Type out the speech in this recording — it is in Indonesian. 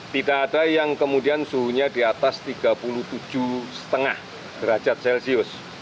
tidak ada yang kemudian suhunya di atas tiga puluh tujuh lima derajat celcius